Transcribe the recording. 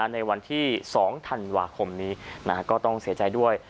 ในวันที่๒ธันวาคมนี้ก็ต้องเสียใจด้วย